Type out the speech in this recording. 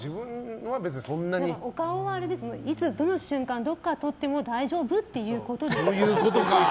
お顔は、いつどの瞬間どこから撮っても大丈夫ということですね。